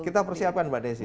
kita persiapkan mbak desy